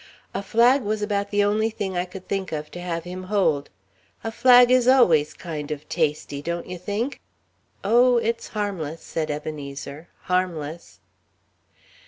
A flag was about the only thing I could think of to have him hold. A flag is always kind of tasty, don't you think?" "Oh, it's harmless," Ebenezer said, "harmless."